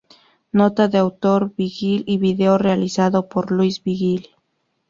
Nota de Arturo Vigil y video realizado por Luis Vigil.